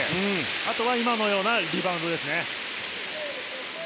あとは今のようなリバウンドですね。